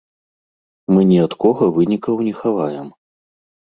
Мы ні ад кога вынікаў не хаваем.